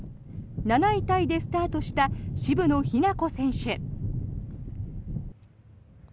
７位タイでスタートした渋野日向子選手。